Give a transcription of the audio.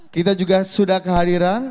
kita juga sudah kehadiran